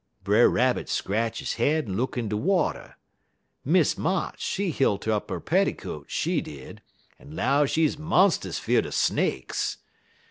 "Brer Rabbit scratch he head en look in de water. Miss Motts, she hilt up 'er petticoats, she did, en 'low she monst'us fear'd er snakes.